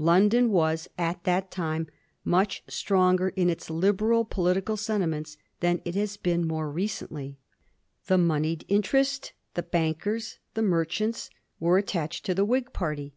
London was at that time much stronger in its Liberal political sentiments than it has been more recentiy. The moneyed interest, the bankers, the merchants, were attached to the Whig party.